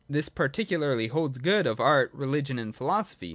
This parti cularly holds good of Art, Religion, and Philosophy.